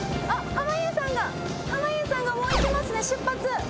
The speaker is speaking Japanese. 濱家さんがもう行きますね出発。